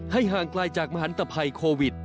ให้ห่างกลายจากมหันตภัยโควิด๑๙